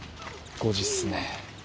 ５時っすね